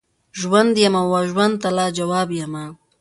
ژوند یمه وژوند ته لاجواب یمه